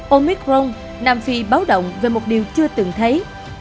omicron nam phi báo động về một điều chưa từng thấy